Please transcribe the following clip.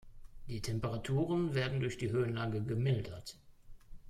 Die Temperaturen werden durch die Höhenlage gemildert.